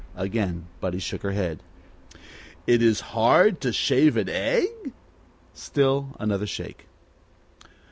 Again Buddy shook her head. "It is hard to shave an egg ?" Still another shake.